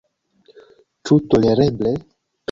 Ĉu tolereble?